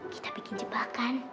kita bikin jebakan